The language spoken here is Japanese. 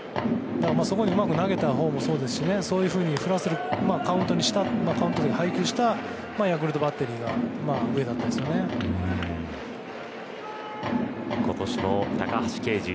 そこにうまく投げた方もそうですしそういうふうに振らせるカウントにした配球したヤクルトバッテリーが今年も高橋奎二